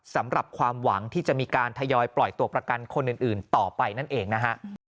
สำหรับความหวังที่จะมีการทยอยปล่อยตัวประกันคนอื่นต่อไปนั่นเองนะฮะ